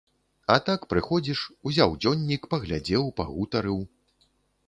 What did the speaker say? А так, прыходзіш, узяў дзённік, паглядзеў, пагутарыў.